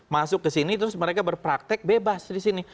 masuk ke sini terus mereka berpraktek bebas di sini